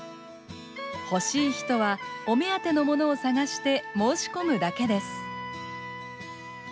欲しい人はお目当てのものを探して申し込むだけです。